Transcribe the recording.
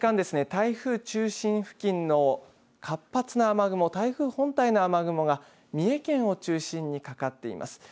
台風中心付近の活発な雨雲、台風本体の雨雲が三重県を中心にかかっています。